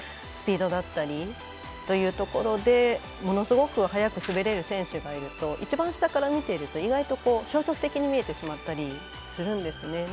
スピードだったりというところでものすごく速く滑れる選手がいると一番下から見ていると意外と消極的に見えてしまったりするんですね。